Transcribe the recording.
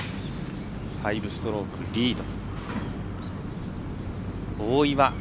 ５ストロークリード。